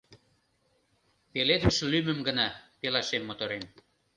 Пеледыш лӱмым гына, пелашем-моторем...